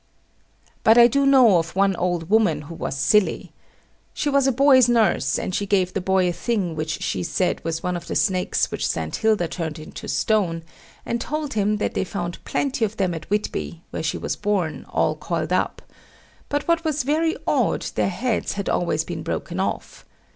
But I do know of one old woman who was silly. She was a boy's nurse, and she gave the boy a thing which she said was one of the snakes which St. Hilda turned into stone; and told him that they found plenty of them at Whitby, where she was born, all coiled up; but what was very odd, their heads had always been broken of.